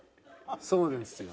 そうなんですよ。